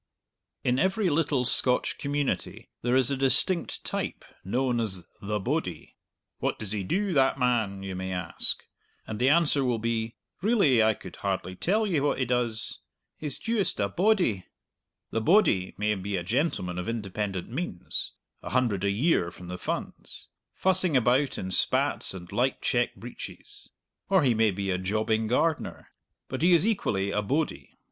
In every little Scotch community there is a distinct type known as "the bodie." "What does he do, that man?" you may ask, and the answer will be, "Really, I could hardly tell ye what he does he's juist a bodie!" The "bodie" may be a gentleman of independent means (a hundred a year from the Funds), fussing about in spats and light check breeches; or he may be a jobbing gardener; but he is equally a "bodie."